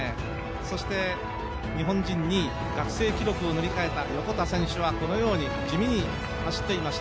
日本人２位、学生記録を塗り替えた横田選手はこのように地味に走っていました。